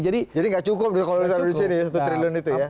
jadi nggak cukup kalau disini satu triliun itu ya